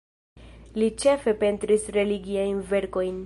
Li ĉefe pentris religiajn verkojn.